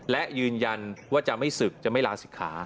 และยืนยันว่าจะไม่ศึกจะไม่ลาศิกขา